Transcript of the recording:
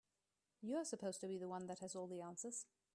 You're supposed to be the one that has all the answers.